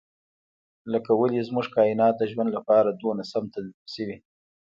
لکه ولې زموږ کاینات د ژوند لپاره دومره سم تنظیم شوي.